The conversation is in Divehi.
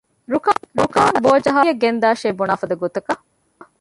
ރުކާން ބޯޖަހާލީ ކުރިއަށް ގެންދާށޭ ބުނާފަދަ ގޮތަކަށް